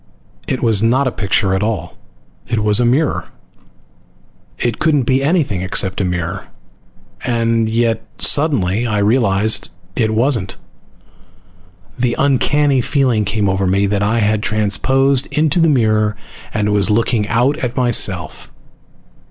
It was not a picture at all, it was a mirror! It couldn't be anything except a mirror. And yet, suddenly, I realized it wasn't. The uncanny feeling came over me that I had transposed into the mirror and was looking out at myself.